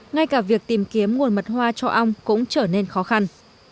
ngay cả việc tìm kiếm nguồn mật hoa cho ong cũng trở nên khó khăn